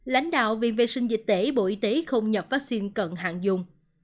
lãnh đạo viện vệ sinh dịch tễ bộ y tế không nhập vaccine cận hạn dùng